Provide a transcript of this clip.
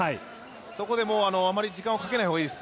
そこでもう、あまり時間をかけないほうがいいです。